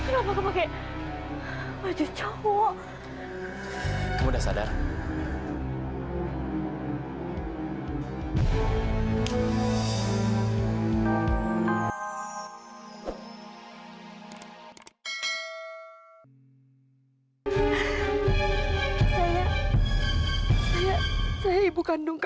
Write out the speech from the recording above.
sampai jumpa di video selanjutnya